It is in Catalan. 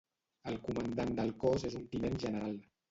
El comandant del cos és un tinent general.